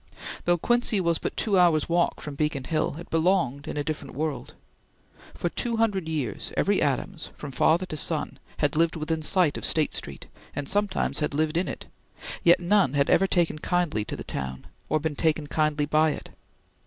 Though Quincy was but two hours' walk from Beacon Hill, it belonged in a different world. For two hundred years, every Adams, from father to son, had lived within sight of State Street, and sometimes had lived in it, yet none had ever taken kindly to the town, or been taken kindly by it.